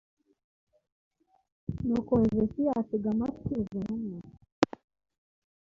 nuko hezekiya atega amatwi izo ntumwa